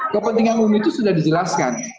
kepentingan umum itu sudah dijelaskan